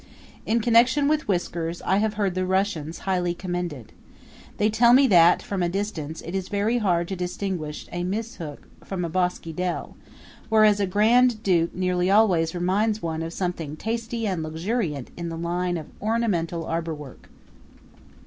In connection with whiskers I have heard the Russians highly commended. They tell me that, from a distance, it is very hard to distinguish a muzhik from a bosky dell, whereas a grand duke nearly always reminds one of something tasty and luxuriant in the line of ornamental arborwork.